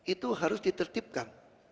itu harus ditertibkan